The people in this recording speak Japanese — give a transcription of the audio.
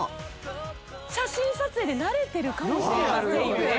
写真撮影で慣れてるかもしれませんよね。